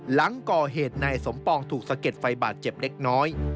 หลังก่อเหตุนายสมปองถูกสะเก็ดไฟบาดเจ็บเล็กน้อย